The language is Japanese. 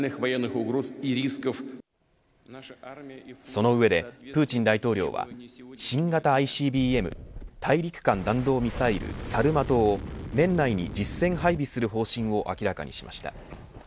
その上でプーチン大統領は新型ＩＣＢＭ大陸間弾道ミサイル、サルマトを年内に実戦配備する方針を明らかにしました。